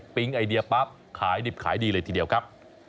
ไอเดียปั๊บขายดิบขายดีเลยทีเดียวครับ